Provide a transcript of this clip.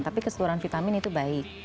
tapi keseluruhan vitamin itu baik